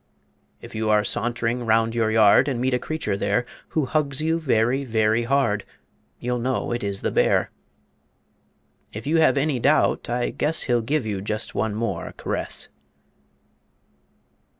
If you are sauntering round your yard, And meet a creature there Who hugs you very, very hard, You'll know it is the Bear. If you have any doubt, I guess He'll give you just one more caress.